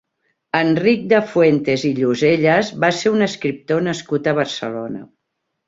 Enric de Fuentes i Lloselles va ser un escriptor nascut a Barcelona.